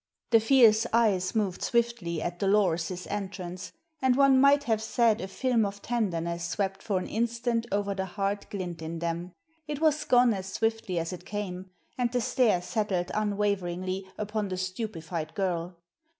The fierce eyes moved swiftly at Dolores's entrance, and one might have said a film of tenderness swept for an instant over the hard glint in them. It was gone as swiftly as it came, and the stare settled unwaveringly upon the stupefied girl.